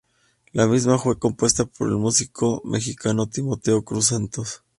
La misa fue compuesta por el músico mexicano "Timoteo Cruz Santos".